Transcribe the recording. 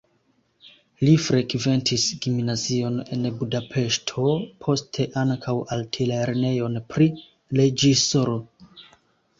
Li frekventis gimnazion en Budapeŝto, poste ankaŭ altlernejon pri reĝisoro.